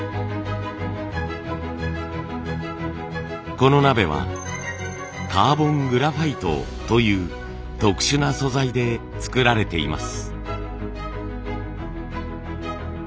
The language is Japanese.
この鍋はカーボングラファイトという特殊な素材で作られています。